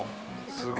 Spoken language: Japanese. すごい。